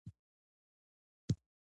هلته انسان په توکو باندې حاکم او مسلط وي